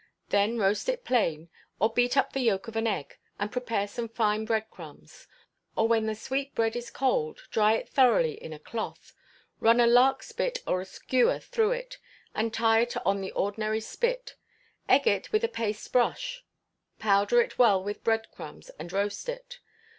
Then roast it plain or beat up the yolk of an egg, and prepare some fine breadcrumbs; or when the sweetbread is cold, dry it thoroughly in a cloth; run a lark spit or a skewer through it, and tie it on the ordinary spit; egg it with a paste brush; powder it well with bread crumbs, and roast it.